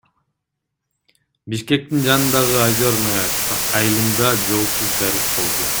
Бишкектин жанындагы Озерное айылында жолсуз жарыш болду.